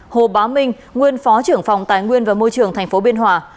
hồ bá minh nguyên phó trưởng phòng tài nguyên và môi trường tp biên hòa